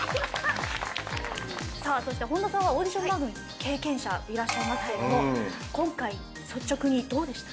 さあそして本田さんはオーディション番組経験者でいらっしゃいますけれども今回率直にどうでした？